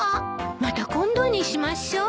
また今度にしましょう。